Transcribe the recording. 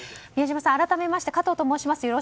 宮嶋さん、改めまして加藤と申します。